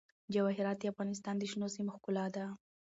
جواهرات د افغانستان د شنو سیمو ښکلا ده.